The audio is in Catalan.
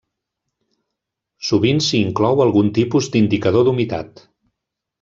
Sovint s'hi inclou algun tipus d'indicador d'humitat.